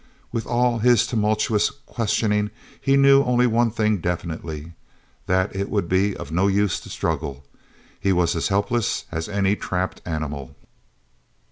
With all his tumultuous questioning he knew only one thing definitely: that it would be of no use to struggle. He was as helpless as any trapped animal.